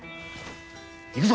行くぞ！